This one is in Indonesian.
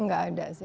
gak ada sih